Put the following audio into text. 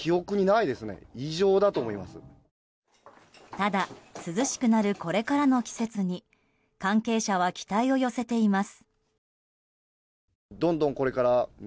ただ涼しくなるこれからの季節に関係者は期待を寄せています。